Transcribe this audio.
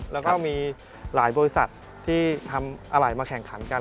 แล้วก็มีหลายบริษัทที่ทำอะไรมาแข่งขันกัน